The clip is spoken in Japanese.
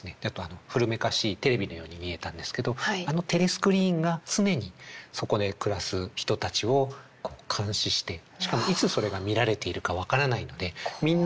古めかしいテレビのように見えたんですけどあのテレスクリーンが常にそこで暮らす人たちを監視してしかもいつそれが見られているか分からないので。